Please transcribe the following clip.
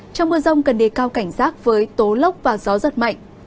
trong mưa rông cần đề cao cảnh giác với tố lốc và gió rất mạnh